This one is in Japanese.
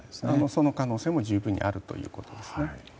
その可能性も十分にあるということですね。